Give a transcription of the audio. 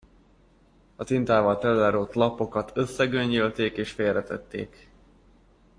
A tintával telerótt lapokat összegöngyölték és félretették.